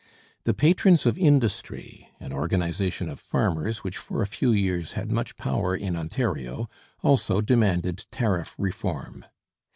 The Patrons of Industry, an organization of farmers which for a few years had much power in Ontario, also demanded tariff reform.